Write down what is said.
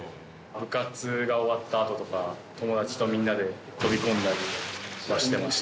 部活が終わったあととか、友達とみんなで飛び込んだりはしてました。